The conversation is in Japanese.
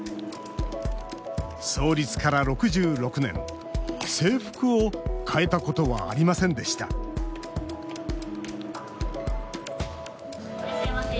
創立から６６年制服を変えたことはありませんでしたいらっしゃいませ。